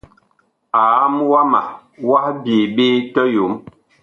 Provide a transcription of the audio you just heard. Aam wama wah byee ɓe tɔyom.